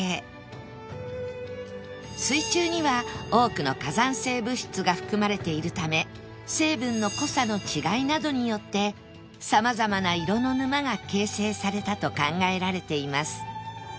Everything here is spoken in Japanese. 水中には多くの火山性物質が含まれているため成分の濃さの違いなどによって様々な色の沼が形成されたと考えられています